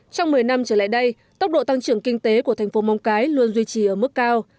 trong một mươi năm trở lại đây tốc độ tăng trưởng kinh tế của thành phố mong cái luôn duy trì ở mức cao